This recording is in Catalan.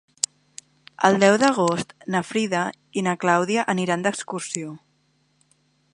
El deu d'agost na Frida i na Clàudia aniran d'excursió.